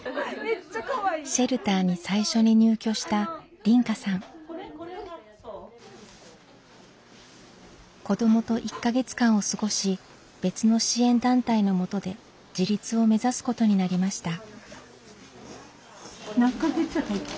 シェルターに最初に入居した子どもと１か月間を過ごし別の支援団体のもとで自立を目指すことになりました。